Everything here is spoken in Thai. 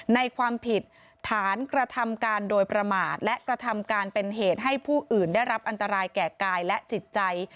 ในความผิดฐานกระทำการโดยประมาทและกระทำการเป็นเหตุให้ผู้อื่นได้รับอันตรายแก่กายและจิตใจ